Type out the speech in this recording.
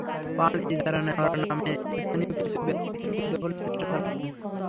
পাড় ইজারা নেওয়ার নামে স্থানীয় কিছু ব্যক্তি পুকুর দখলের চেষ্টা চালাচ্ছেন।